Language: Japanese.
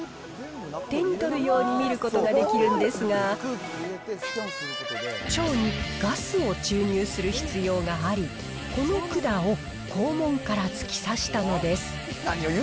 手に取るように見ることができるんですが、腸にガスを注入する必要があり、この管を肛門から突き刺したのです。